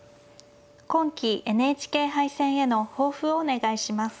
今期ＮＨＫ杯戦への抱負をお願いします。